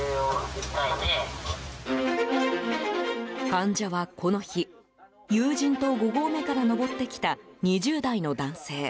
患者は、この日友人と五合目から登ってきた２０代の男性。